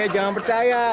he jangan percaya